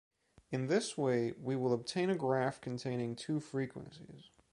In this way, we will obtain a graph containing two frequencies.